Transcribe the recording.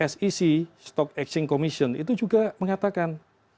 sec stock exchange commission itu juga mengatakan